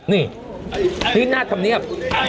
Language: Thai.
นี่นี่หน้าทำเนียบ